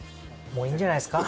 もういいんじゃないですか？